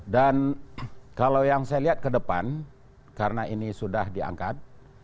dan kalau yang saya lihat ke depan karena ini sudah diangkat